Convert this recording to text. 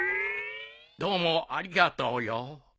どうもありがとうよ。